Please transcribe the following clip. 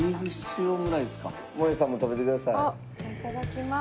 いただきます。